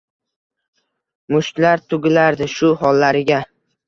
Mushtlar tugilardi shu hollariga